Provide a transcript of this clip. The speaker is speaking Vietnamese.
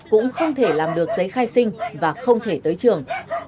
cũng không thể làm được giấy khai sinh và không thể tới trường